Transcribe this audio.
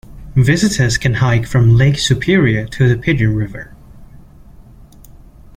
Visitors can hike from Lake Superior to the Pigeon River.